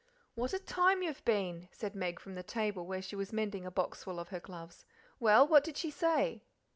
"What a time you've been," said Meg from the table, where she was mending a boxful of her gloves. "Well, what did she say?"